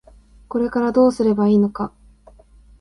これからどうすればいいのか。